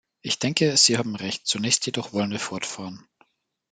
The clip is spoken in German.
Ich denke, Sie haben Recht, zunächst jedoch wollen wir fortfahren.